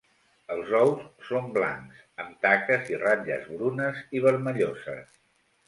Els ous són blancs, amb taques i ratlles brunes i vermelloses.